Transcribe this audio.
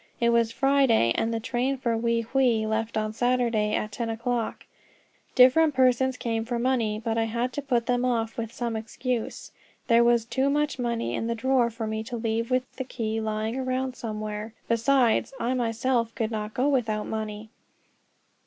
It was Friday, and the train for Wei Hwei left on Saturday at ten o'clock. Different persons came for money, but I had to put them off with some excuse. There was too much money in the drawer for me to leave with the key lying around somewhere; besides, I myself could not go without money.